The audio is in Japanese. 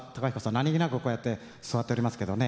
何気なくこうやって座っておりますけどね